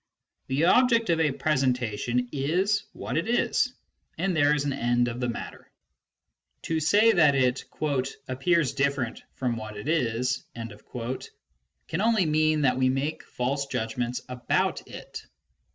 The object of a presentation is what it is, and there is an end of the matter. To say that it "appears different from what it is " can only mean that we make false judgments about it.